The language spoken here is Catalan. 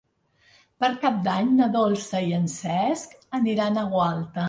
Per Cap d'Any na Dolça i en Cesc aniran a Gualta.